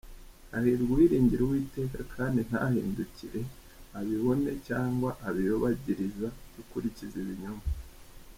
Hahirwa uwiringira Uwiteka, Kandi ntahindukirire abibone cyangwa abiyobagiriza gukurikiza ibinyoma.